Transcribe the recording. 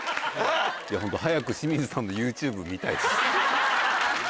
ホント早く清水さんのＹｏｕＴｕｂｅ見たいです。